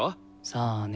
さあね。